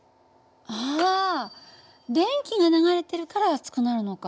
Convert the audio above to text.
あ電気が流れてるから熱くなるのか。